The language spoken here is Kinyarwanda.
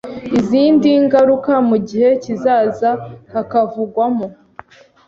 Izindi ngaruka mu gihe kizaza hakavugwamo,